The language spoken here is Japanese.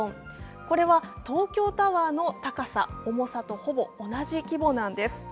これは東京タワーの高さ、重さとほぼ同じ規模なんです。